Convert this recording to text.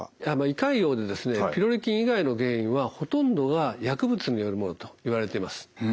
胃潰瘍でピロリ菌以外の原因はほとんどが薬物によるものといわれてます。